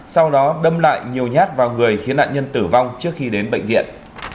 sau đó đâm lại nhiều nhát vào người khiến nạn nhân tử vong trước khi đến bệnh viện